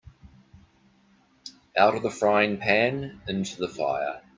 Out of the frying-pan into the fire